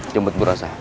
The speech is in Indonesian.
jemput gue rasa